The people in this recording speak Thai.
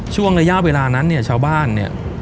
ช่วงระยะเวลานั้นเนี่ยชาวบ้านเนี่ย